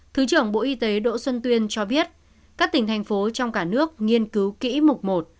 thứ trưởng bộ y tế đỗ xuân tuyên cho biết các tỉnh thành phố trong cả nước nghiên cứu kỹ mục một